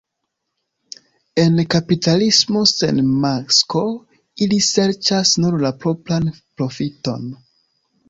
En kapitalismo sen masko ili serĉas nur la propran profiton.